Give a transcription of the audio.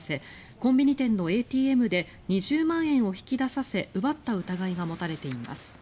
コンビニ店のＡＴＭで２０万円を引き出させ奪った疑いが持たれています。